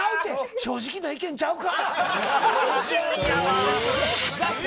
正直な意見ちゃうか。